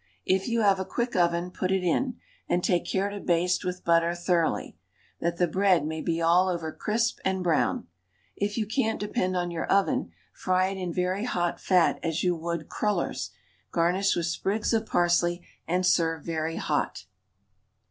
If you have a quick oven, put it in; and take care to baste with butter thoroughly, that the bread may be all over crisp and brown. If you can't depend on your oven, fry it in very hot fat as you would crullers; garnish with sprigs of parsley, and serve very hot.